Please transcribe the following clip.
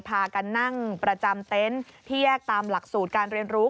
พากันนั่งประจำเต็นต์ที่แยกตามหลักสูตรการเรียนรู้